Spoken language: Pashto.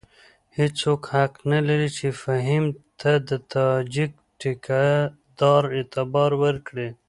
هېڅوک حق نه لري چې فهیم ته د تاجک ټیکه دار اعتبار ورکړي.